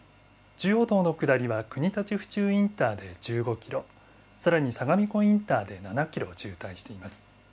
中央道の下りは国立府中インターで１５キロ、さらに相模湖インターで７キロ渋滞しています。